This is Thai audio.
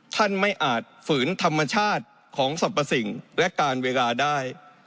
ท่านไม่อาจฝืนธรรมชาติของสรรพสิ่งและการเวลาได้